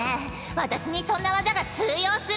私にそんな技が通用するとでも？